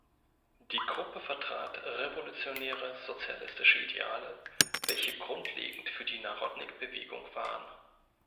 Die Gruppe vertrat revolutionäre sozialistische Ideale, welche grundlegend für die Narodnik-Bewegung waren.